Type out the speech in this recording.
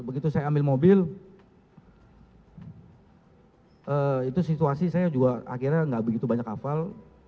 begitu saya ambil mobil itu situasi saya juga akhirnya nggak begitu banyak hafal